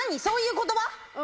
そういう言葉？